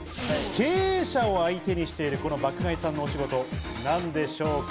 経営者を相手にしてるこの爆買いさんのお仕事、何でしょうか？